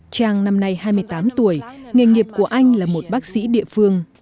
trang năm nay hai mươi tám tuổi nghề nghiệp của anh là một bác sĩ địa phương